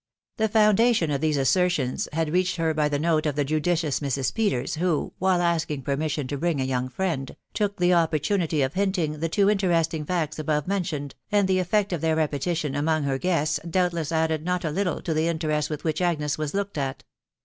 The foundation of these assertions had reached her by the nsjas of the judicious Mrs, Peters, who, whsfe asking per mission* to bring » young friend, took the opportunity of hint ing the two interesting facts above roentianeaV and the effect of their repetition among her guest* denotes added not a little to the interest with which Agnes was looked at.